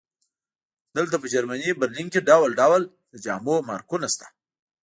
دلته په جرمني برلین کې ډول ډول د جامو مارکونه شته